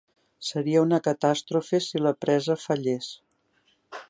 Seria una catàstrofe si la presa fallés.